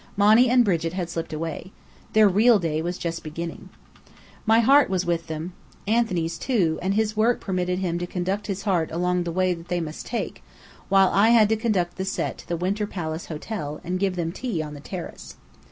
Monny and Brigit had slipped away. Their real day was just beginning. My heart was with them; Anthony's, too, and his work permitted him to conduct his heart along the way that they must take, while I had to conduct the Set to the Winter Palace Hotel, and give them tea on the terrace.